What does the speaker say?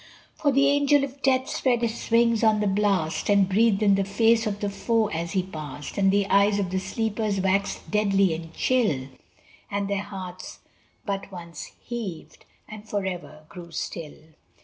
For the Angel of Death spread his wings on the blast, And breathed in the face of the foe as he passed; And the eyes of the sleepers waxed deadly and chill, And their hearts but once heaved, and forever grew still!